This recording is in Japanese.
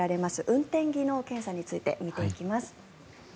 運転技能検査について見てきます。